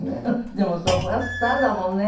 でもそこはスターだもんね。